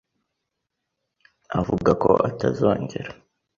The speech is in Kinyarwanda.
avuga ko atazongera.